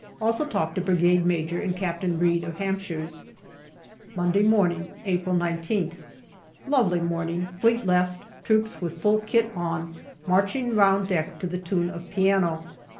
Also talk to Brigade Major and Captain Reid, of Hampshires. Monday morning, April 19th. Lovely morning. Fleet left. Troops, with full kit on, marching round deck to the tune of piano.